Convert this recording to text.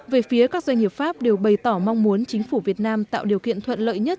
về phía các doanh nghiệp pháp đều bày tỏ mong muốn chính phủ việt nam tạo điều kiện thuận lợi nhất